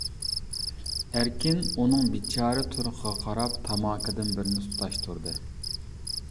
ئەركىن ئۇنىڭ بىچارە تۇرقىغا قاراپ تاماكىدىن بىرنى تۇتاشتۇردى.